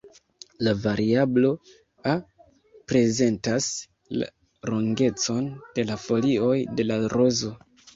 La variablo "a" prezentas la longecon de la folioj de la rozo.